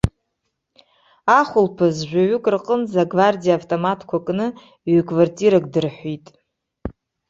Ахәылԥаз жәаҩык рҟынӡа агвардиаа автоматқәа кны ҩ-квартирак дырҳәит.